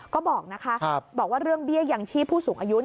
ก็บอกนะคะบอกว่าเรื่องเบี้ยยังชีพผู้สูงอายุ